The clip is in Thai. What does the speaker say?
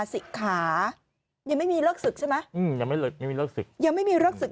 สิขายังไม่มีเลิกศึกใช่ไหมยังไม่มีเลิกศึก